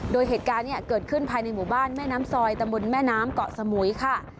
โดยเหตุการณ์เนี่ยเกิดขึ้นภายในหมู่บ้านแม่น้ำซอยตำบลแม่น้ำเกาะสมุยค่ะ